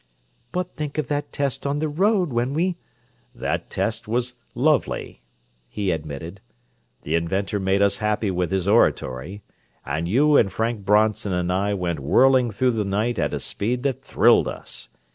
"But think of that test on the road when we—" "That test was lovely," he admitted. "The inventor made us happy with his oratory, and you and Frank Bronson and I went whirling through the night at a speed that thrilled us.